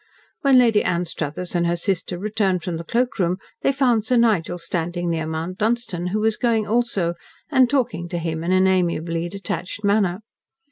When Lady Anstruthers and her sister returned from the cloak room, they found Sir Nigel standing near Mount Dunstan, who was going also, and talking to him in an amiably detached manner.